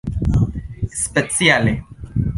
speciale